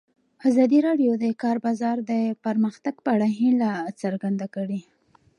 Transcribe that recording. ازادي راډیو د د کار بازار د پرمختګ په اړه هیله څرګنده کړې.